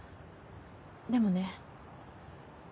でもね。